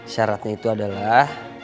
syaratnya itu adalah